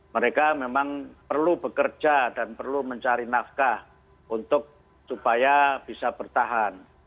mereka memang perlu bekerja dan perlu mencari nafkah untuk supaya bisa bertahan